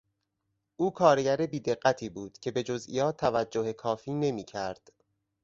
او کارگر بیدقتی بود که به جزئیات توجه کافی نمیکرد.